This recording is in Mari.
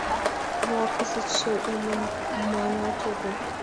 Ну, а кызытше ойлыманат огыл!..